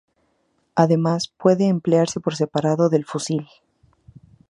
Además, puede emplearse por separado del fusil.